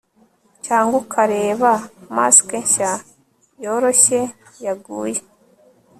cyangwa ukareba mask nshya yoroshye-yaguye